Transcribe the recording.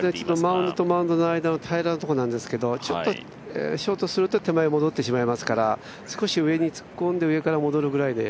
マウンドとマウンドの間の平らのところなんですけれども、ちょっとショートすると手前に戻ってしまいますから少し上に突っ込んで上から戻るぐらいで。